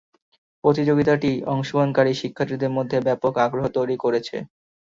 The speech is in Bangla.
প্রতিযোগিতাটি অংশগ্রহণকারী শিক্ষার্থীদের মধ্যে ব্যাপক আগ্রহ তৈরি করেছে।